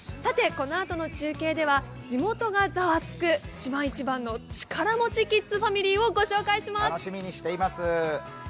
このあとの中継では「地元がザワつく、島一番の力持ちキッズ！＆ファミリー」をご紹介します。